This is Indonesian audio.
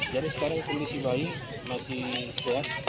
jadi sekarang kondisi bayi masih sehat